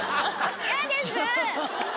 嫌です！